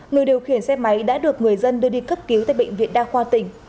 người điều khiển xe máy đã được người dân đưa đi cấp cứu tại bệnh viện đa khoa tỉnh